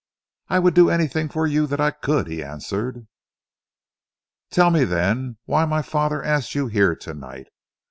"I would do anything for you that I could," he answered. "Tell me, then, why my father asked you here to night?